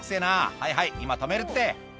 はいはい今止めるって」